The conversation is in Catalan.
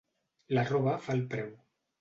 La roba fa el preu.